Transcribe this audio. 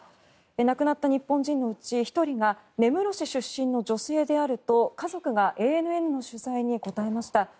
亡くなった日本人のうち１人が根室市出身の女性であると家族がＡＮＮの取材に答えました。